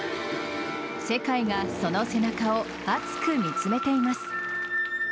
世界がその背中を熱く見つめています。